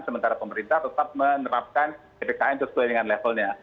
sementara pemerintah tetap menerapkan ppkm sesuai dengan levelnya